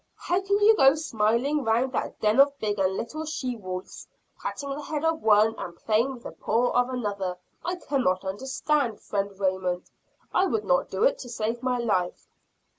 "How you can go smiling around that den of big and little she wolves, patting the head of one, and playing with the paw of another, I cannot understand, friend Raymond. I would not do it to save my life."